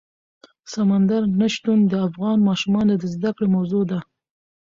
سمندر نه شتون د افغان ماشومانو د زده کړې موضوع ده.